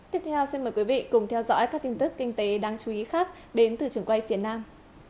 tiếp theo xin mời quý vị cùng theo dõi các tin tức kinh tế đáng chú ý khác đến từ trường quay phía nam